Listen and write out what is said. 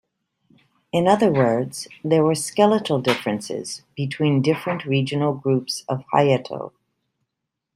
In other words, there were skeletal differences between different regional groups of Hayato.